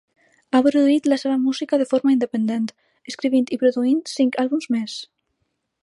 Ha produït la seva música de forma independent, escrivint i produint cinc àlbums més.